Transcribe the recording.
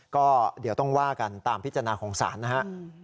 ก็เดี๋ยวต้องว่ากันตามพิจารณาของศาลนะฮะ